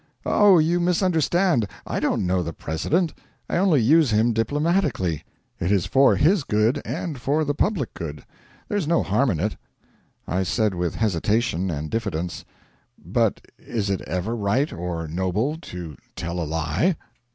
'Oh, you misunderstand. I don't know the President I only use him diplomatically. It is for his good and for the public good. There's no harm in it.' I said with hesitation and diffidence: 'But is it ever right or noble to tell a lie?'